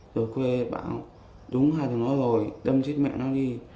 rồi quê bảo đúng hai thằng đó rồi đâm chết mẹ nó đi